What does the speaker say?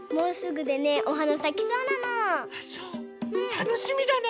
たのしみだね。